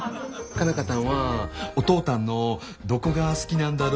佳奈花たんはお父たんのどこが好きなんだろうか？